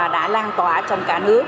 đã lan tỏa trong cả nước